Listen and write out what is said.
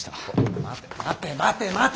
待て待て待て待て。